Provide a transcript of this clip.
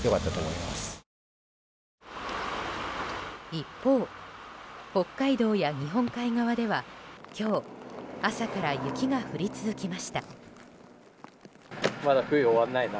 一方、北海道や日本海側では今日朝から雪が降り続きました。